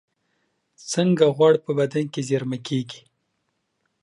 څنګه غوړ په بدن کې زېرمه کېږي؟